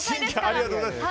ありがとうございます。